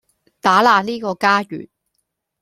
打爛呢個家園